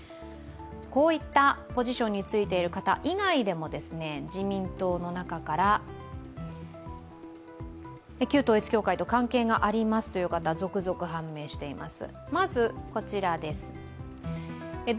こういったポジションについている方以外でも自民党の中から旧統一教会と関係がありますという方続々と判明しています。